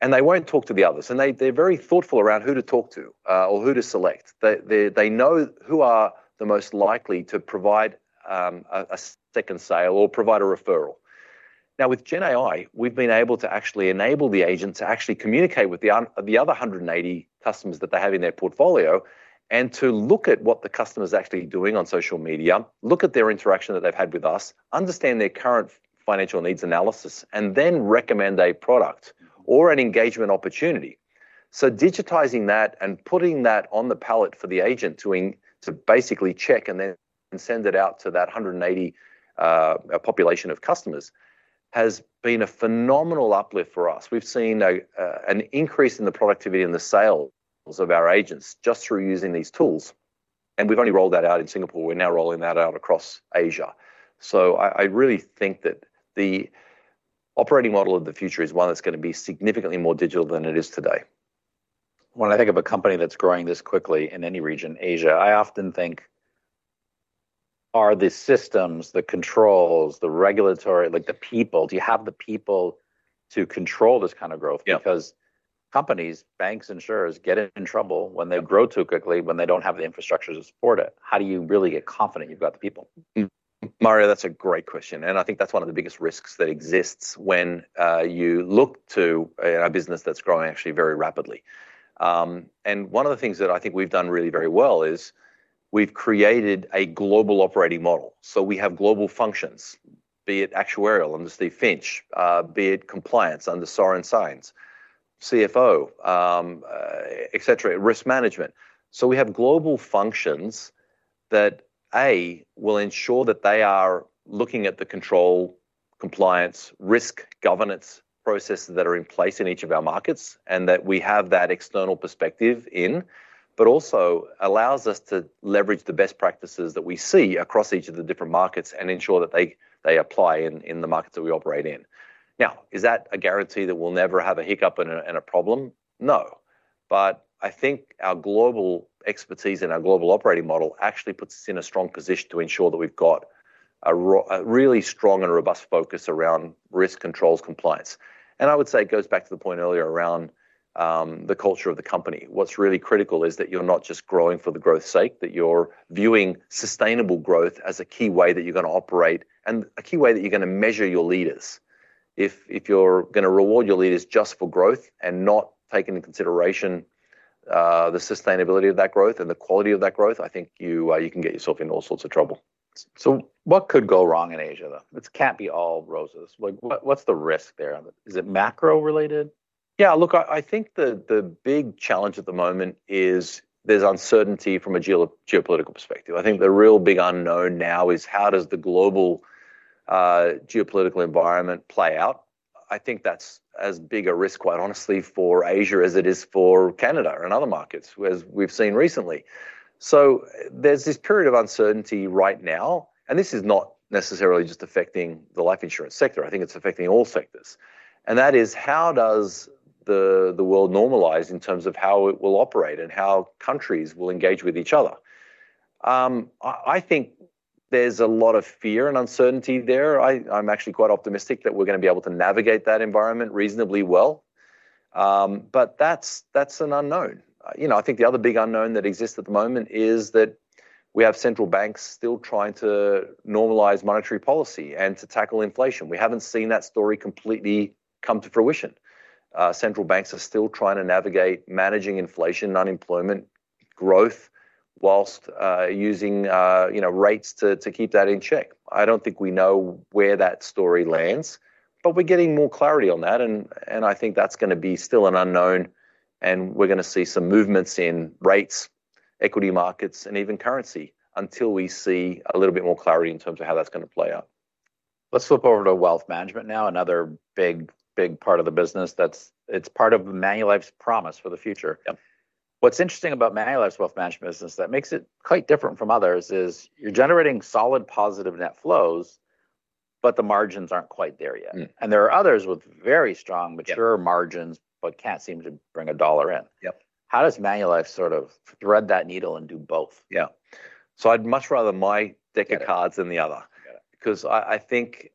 And they won't talk to the others. And they're very thoughtful around who to talk to or who to select. They know who are the most likely to provide a second sale or provide a referral. Now, with GenAI, we've been able to actually enable the agent to actually communicate with the other 180 customers that they have in their portfolio and to look at what the customer is actually doing on social media, look at their interaction that they've had with us, understand their current financial needs analysis, and then recommend a product or an engagement opportunity. So digitizing that and putting that on the palette for the agent to basically check and then send it out to that 180 population of customers has been a phenomenal uplift for us. We've seen an increase in the productivity and the sales of our agents just through using these tools. And we've only rolled that out in Singapore. We're now rolling that out across Asia. So I really think that the operating model of the future is one that's going to be significantly more digital than it is today. When I think of a company that's growing this quickly in any region, Asia, I often think, are the systems, the controls, the regulatory, like the people, do you have the people to control this kind of growth? Because companies, banks, insurers get in trouble when they grow too quickly when they don't have the infrastructure to support it. How do you really get confident you've got the people? Mario, that's a great question. I think that's one of the biggest risks that exists when you look to a business that's growing actually very rapidly. One of the things that I think we've done really very well is we've created a global operating model. We have global functions, be it actuarial under Steve Finch, be it compliance under, CFO, etc., risk management. We have global functions that, A, will ensure that they are looking at the control, compliance, risk, governance processes that are in place in each of our markets and that we have that external perspective in, but also allows us to leverage the best practices that we see across each of the different markets and ensure that they apply in the markets that we operate in. Now, is that a guarantee that we'll never have a hiccup and a problem? No. But I think our global expertise and our global operating model actually puts us in a strong position to ensure that we've got a really strong and robust focus around risk, controls, compliance. And I would say it goes back to the point earlier around the culture of the company. What's really critical is that you're not just growing for growth's sake, that you're viewing sustainable growth as a key way that you're going to operate and a key way that you're going to measure your leaders. If you're going to reward your leaders just for growth and not take into consideration the sustainability of that growth and the quality of that growth, I think you can get yourself in all sorts of trouble. So what could go wrong in Asia though? It can't be all roses. What's the risk there? Is it macro-related? Yeah. Look, I think the big challenge at the moment is there's uncertainty from a geopolitical perspective. I think the real big unknown now is how does the global geopolitical environment play out? I think that's as big a risk, quite honestly, for Asia as it is for Canada and other markets, as we've seen recently. So there's this period of uncertainty right now. And this is not necessarily just affecting the life insurance sector. I think it's affecting all sectors. And that is how does the world normalize in terms of how it will operate and how countries will engage with each other? I think there's a lot of fear and uncertainty there. I'm actually quite optimistic that we're going to be able to navigate that environment reasonably well. But that's an unknown. I think the other big unknown that exists at the moment is that we have central banks still trying to normalize monetary policy and to tackle inflation. We haven't seen that story completely come to fruition. Central banks are still trying to navigate managing inflation, unemployment, growth whilst using rates to keep that in check. I don't think we know where that story lands, but we're getting more clarity on that. And I think that's going to be still an unknown. And we're going to see some movements in rates, equity markets, and even currency until we see a little bit more clarity in terms of how that's going to play out. Let's flip over to wealth management now, another big part of the business. It's part of Manulife's promise for the future. What's interesting about Manulife's wealth management business that makes it quite different from others is you're generating solid positive net flows, but the margins aren't quite there yet, and there are others with very strong, mature margins, but can't seem to bring a dollar in. How does Manulife sort of thread that needle and do both? Yeah. So I'd much rather my deck of cards than the other because I think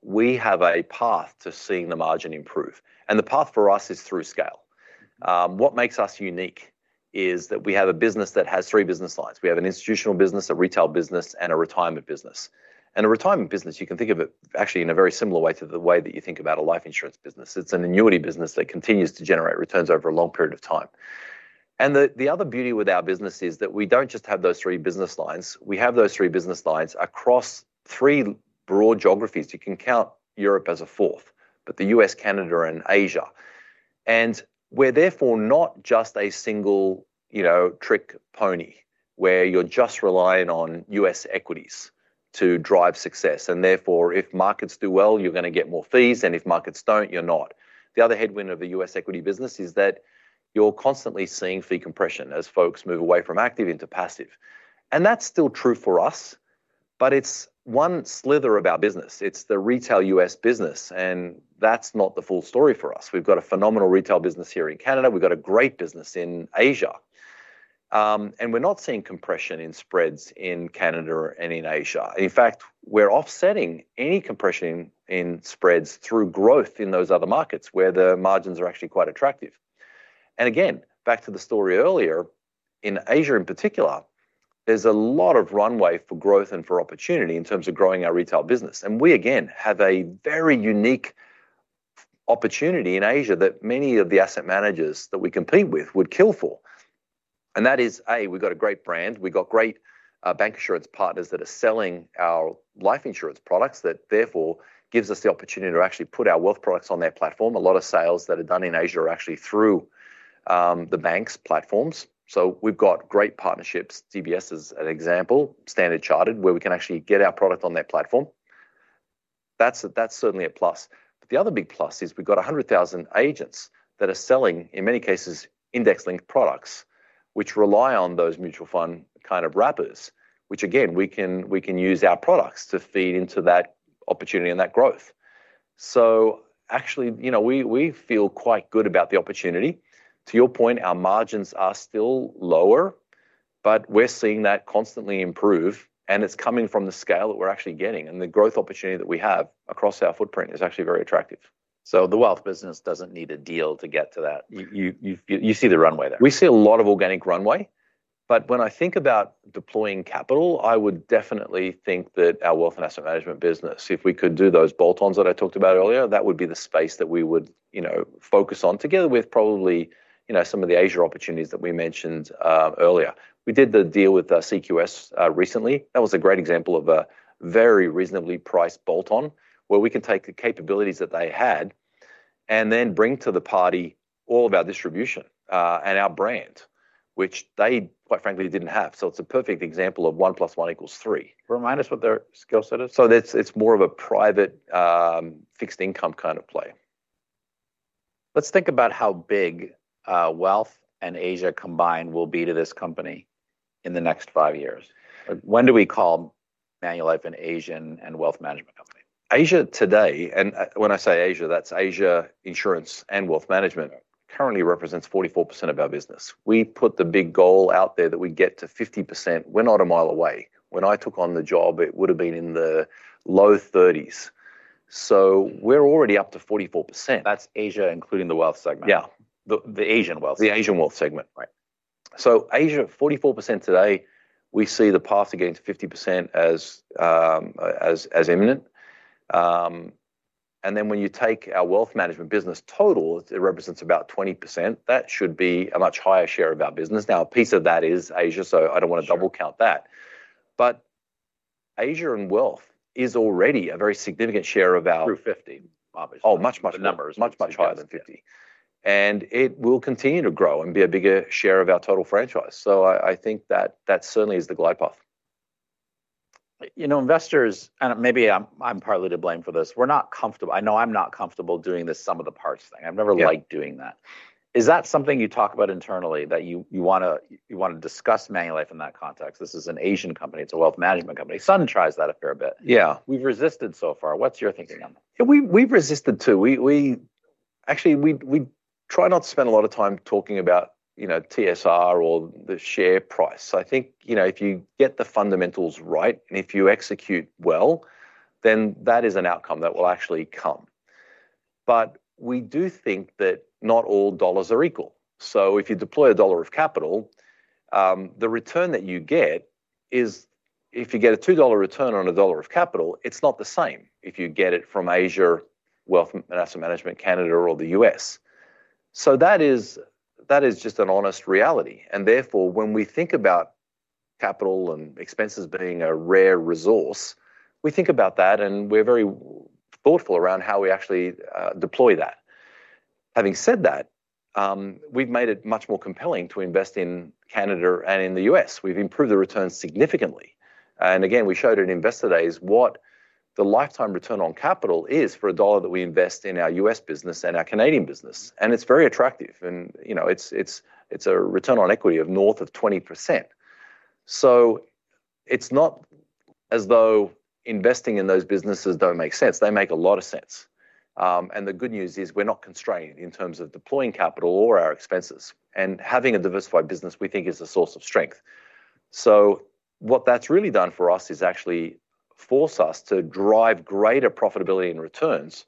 we have a path to seeing the margin improve. And the path for us is through scale. What makes us unique is that we have a business that has three business lines. We have an institutional business, a retail business, and a retirement business. And a retirement business, you can think of it actually in a very similar way to the way that you think about a life insurance business. It's an annuity business that continues to generate returns over a long period of time. And the other beauty with our business is that we don't just have those three business lines. We have those three business lines across three broad geographies. You can count Europe as a fourth, but the US, Canada, and Asia. And we're therefore not just a one-trick pony where you're just relying on U.S. equities to drive success. And therefore, if markets do well, you're going to get more fees. And if markets don't, you're not. The other headwind of the U.S. equity business is that you're constantly seeing fee compression as folks move away from active into passive. And that's still true for us, but it's one sliver of our business. It's the retail U.S. business. And that's not the full story for us. We've got a phenomenal retail business here in Canada. We've got a great business in Asia. And we're not seeing compression in spreads in Canada and in Asia. In fact, we're offsetting any compression in spreads through growth in those other markets where the margins are actually quite attractive. And again, back to the story earlier, in Asia in particular, there's a lot of runway for growth and for opportunity in terms of growing our retail business. And we, again, have a very unique opportunity in Asia that many of the asset managers that we compete with would kill for. And that is, A, we've got a great brand. We've got great bancassurance partners that are selling our life insurance products that therefore gives us the opportunity to actually put our wealth products on their platform. A lot of sales that are done in Asia are actually through the bank's platforms. So we've got great partnerships, DBS as an example, Standard Chartered, where we can actually get our product on their platform. That's certainly a plus. But the other big plus is we've got 100,000 agents that are selling, in many cases, index-linked products, which rely on those mutual fund kind of wrappers, which, again, we can use our products to feed into that opportunity and that growth. So actually, we feel quite good about the opportunity. To your point, our margins are still lower, but we're seeing that constantly improve. And it's coming from the scale that we're actually getting. And the growth opportunity that we have across our footprint is actually very attractive. So the wealth business doesn't need a deal to get to that. You see the runway there. We see a lot of organic runway. But when I think about deploying capital, I would definitely think that our wealth and asset management business, if we could do those bolt-ons that I talked about earlier, that would be the space that we would focus on together with probably some of the Asia opportunities that we mentioned earlier. We did the deal with CQS recently. That was a great example of a very reasonably priced bolt-on where we can take the capabilities that they had and then bring to the party all of our distribution and our brand, which they, quite frankly, didn't have. So it's a perfect example of one plus one equals three. Remind us what their skill set is. It's more of a private fixed income kind of play. Let's think about how big wealth and Asia combined will be to this company in the next five years. When do we call Manulife an Asian and wealth management company? Asia today, and when I say Asia, that's Asia insurance and wealth management, currently represents 44% of our business. We put the big goal out there that we get to 50%. We're not a mile away. When I took on the job, it would have been in the low 30s. So we're already up to 44%. That's Asia, including the wealth segment. Yeah. The Asian wealth. The Asian wealth segment. Right. So Asia, 44% today, we see the path to getting to 50% as imminent. And then when you take our wealth management business total, it represents about 20%. That should be a much higher share of our business. Now, a piece of that is Asia, so I don't want to double count that. But Asia and wealth is already a very significant share of our. Through 50. Oh, much, much higher. Much, much higher than 50. And it will continue to grow and be a bigger share of our total franchise. So I think that that certainly is the glide path. You know, investors, and maybe I'm partly to blame for this, we're not comfortable. I know I'm not comfortable doing this sum of the parts thing. I've never liked doing that. Is that something you talk about internally that you want to discuss Manulife in that context? This is an Asian company. It's a wealth management company. Sun tries that a fair bit. Yeah. We've resisted so far. What's your thinking on that? We've resisted too. Actually, we try not to spend a lot of time talking about TSR or the share price. I think if you get the fundamentals right and if you execute well, then that is an outcome that will actually come. But we do think that not all dollars are equal. So if you deploy a dollar of capital, the return that you get is if you get a $2 return on a dollar of capital, it's not the same if you get it from Asia, wealth and asset management, Canada, or the U.S. So that is just an honest reality, and therefore, when we think about capital and expenses being a rare resource, we think about that, and we're very thoughtful around how we actually deploy that. Having said that, we've made it much more compelling to invest in Canada and in the U.S. We've improved the return significantly. And again, we showed an investor today what the lifetime return on capital is for a dollar that we invest in our U.S. business and our Canadian business. And it's very attractive. And it's a return on equity of north of 20%. So it's not as though investing in those businesses don't make sense. They make a lot of sense. And the good news is we're not constrained in terms of deploying capital or our expenses. And having a diversified business, we think, is a source of strength. So what that's really done for us is actually force us to drive greater profitability and returns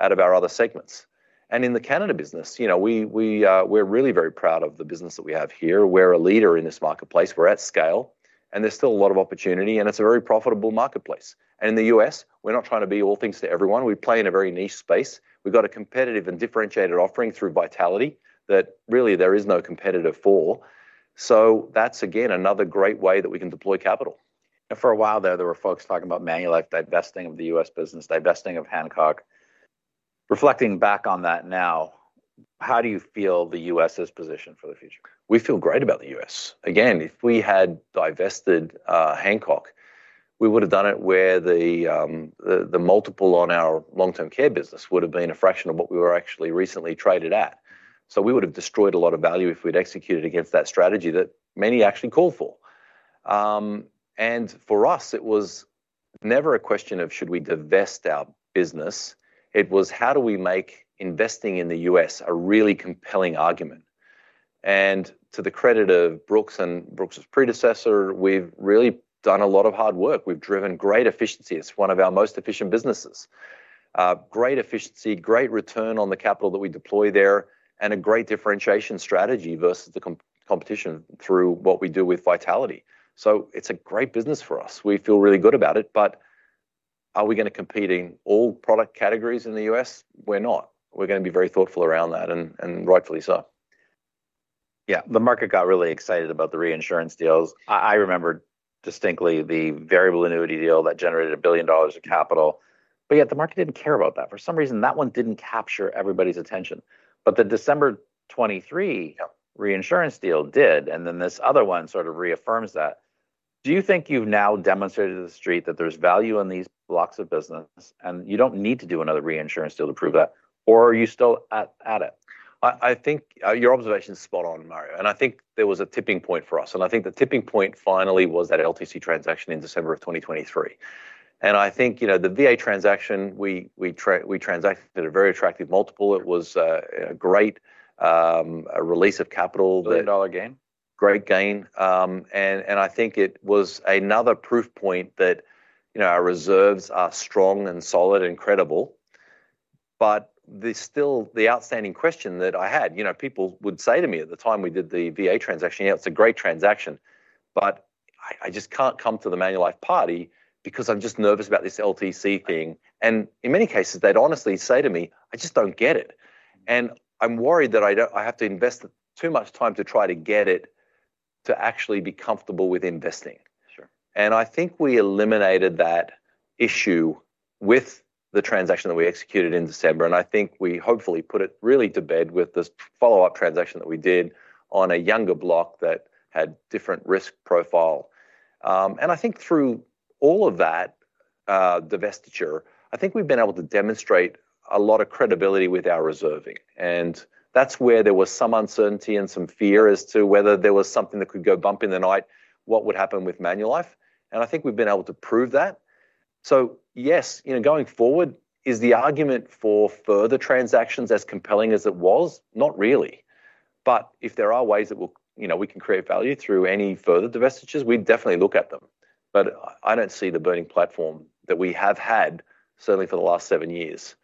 out of our other segments. And in the Canada business, we're really very proud of the business that we have here. We're a leader in this marketplace. We're at scale. And there's still a lot of opportunity. It's a very profitable marketplace. In the U.S., we're not trying to be all things to everyone. We play in a very niche space. We've got a competitive and differentiated offering through Vitality that really there is no competitor for. That's, again, another great way that we can deploy capital. Now, for a while there, there were folks talking about Manulife, divesting of the U.S. business, divesting of Hancock. Reflecting back on that now, how do you feel the U.S.'s position for the future? We feel great about the U.S. Again, if we had divested Hancock, we would have done it where the multiple on our long-term care business would have been a fraction of what we were actually recently traded at. So we would have destroyed a lot of value if we'd executed against that strategy that many actually call for. And for us, it was never a question of should we divest our business. It was how do we make investing in the U.S. a really compelling argument. And to the credit of Brooks and Brooks' predecessor, we've really done a lot of hard work. We've driven great efficiency. It's one of our most efficient businesses. Great efficiency, great return on the capital that we deploy there, and a great differentiation strategy versus the competition through what we do with Vitality. So it's a great business for us. We feel really good about it. But are we going to compete in all product categories in the U.S.? We're not. We're going to be very thoughtful around that, and rightfully so. Yeah. The market got really excited about the reinsurance deals. I remember distinctly the variable annuity deal that generated $1 billion of capital. But yet, the market didn't care about that. For some reason, that one didn't capture everybody's attention. But the December 2023 reinsurance deal did. And then this other one sort of reaffirms that. Do you think you've now demonstrated to the street that there's value in these blocks of business and you don't need to do another reinsurance deal to prove that, or are you still at it? I think your observation is spot on, Mario, and I think there was a tipping point for us, and I think the tipping point finally was that LTC transaction in December of 2023, and I think the VA transaction, we transacted at a very attractive multiple. It was a great release of capital. Billion gain. Great gain. And I think it was another proof point that our reserves are strong and solid and credible. But there's still the outstanding question that I had. People would say to me at the time we did the VA transaction, "Yeah, it's a great transaction. But I just can't come to the Manulife party because I'm just nervous about this LTC thing." And in many cases, they'd honestly say to me, "I just don't get it. And I'm worried that I have to invest too much time to try to get it to actually be comfortable with investing." And I think we eliminated that issue with the transaction that we executed in December. And I think we hopefully put it really to bed with this follow-up transaction that we did on a younger block that had different risk profile. And I think through all of that divestiture, I think we've been able to demonstrate a lot of credibility with our reserving. And that's where there was some uncertainty and some fear as to whether there was something that could go bump in the night, what would happen with Manulife. And I think we've been able to prove that. So yes, going forward, is the argument for further transactions as compelling as it was? Not really. But if there are ways that we can create value through any further divestitures, we'd definitely look at them. But I don't see the burning platform that we have had, certainly for the last seven years,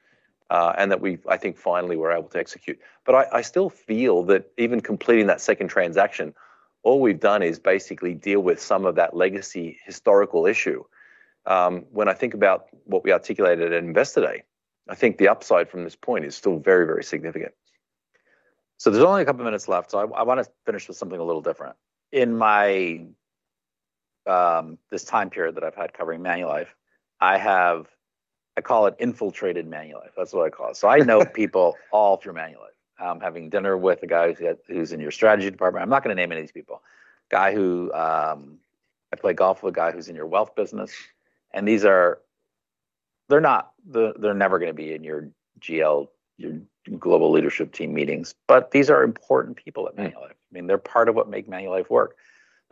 and that we, I think, finally were able to execute. But I still feel that even completing that second transaction, all we've done is basically deal with some of that legacy historical issue. When I think about what we articulated at Investor Day, I think the upside from this point is still very, very significant. So there's only a couple of minutes left. So I want to finish with something a little different. In this time period that I've had covering Manulife, I call it infiltrated Manulife. That's what I call it. So I know people all through Manulife. I'm having dinner with a guy who's in your strategy department. I'm not going to name any of these people. I play golf with a guy who's in your wealth business. And they're never going to be in your GL, your global leadership team meetings. But these are important people at Manulife. I mean, they're part of what makes Manulife work.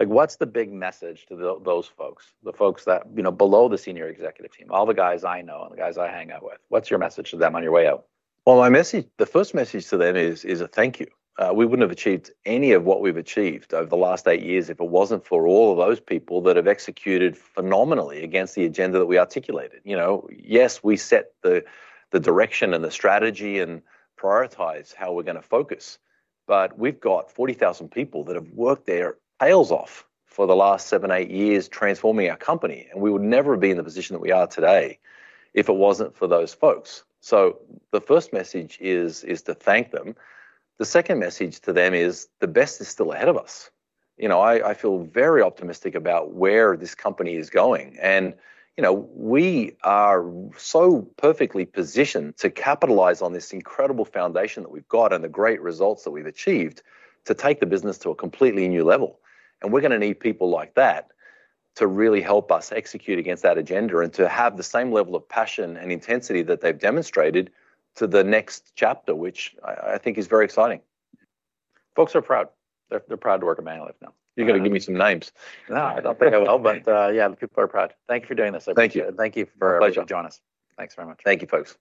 What's the big message to those folks, the folks below the senior executive team, all the guys I know and the guys I hang out with? What's your message to them on your way out? The first message to them is a thank you. We wouldn't have achieved any of what we've achieved over the last eight years if it wasn't for all of those people that have executed phenomenally against the agenda that we articulated. Yes, we set the direction and the strategy and prioritize how we're going to focus. But we've got 40,000 people that have worked their tails off for the last seven, eight years transforming our company. And we would never be in the position that we are today if it wasn't for those folks. So the first message is to thank them. The second message to them is the best is still ahead of us. I feel very optimistic about where this company is going. We are so perfectly positioned to capitalize on this incredible foundation that we've got and the great results that we've achieved to take the business to a completely new level. We're going to need people like that to really help us execute against that agenda and to have the same level of passion and intensity that they've demonstrated to the next chapter, which I think is very exciting. Folks are proud. They're proud to work at Manulife now. You're going to give me some names. No, I don't think I will. But yeah, people are proud. Thank you for doing this. Thank you. Thank you for joining us. Pleasure. Thanks very much. Thank you, folks.